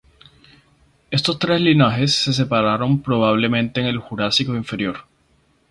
Estos tres linajes se separaron probablemente en el Jurásico Inferior.